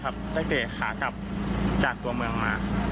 สักพีคหากลับจากตัวเมืองมา